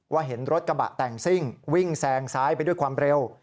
เห็นรถกระบะแต่งซิ่งวิ่งแซงซ้ายไปด้วยความเร็ว